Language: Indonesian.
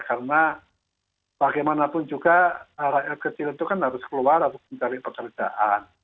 karena bagaimanapun juga area kecil itu kan harus keluar harus mencari pekerjaan